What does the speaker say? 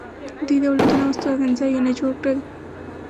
دوی دولتونه او استوګنځایونه جوړ کړل.